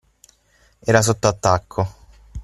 Era sotto attacco.